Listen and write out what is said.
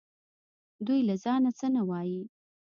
دوی له ځانه څه نه وايي